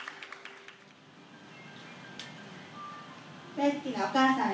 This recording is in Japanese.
「大好きなお母さんへ。